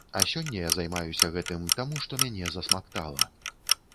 А сёння я займаюся гэтым, таму што мяне засмактала.